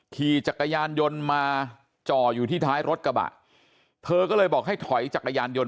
ขี่จักรยานยนต์มาจ่ออยู่ที่ท้ายรถกระบะเธอก็เลยบอกให้ถอยจักรยานยนต